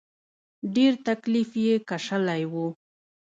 ډېر تکليف یې کشلی و.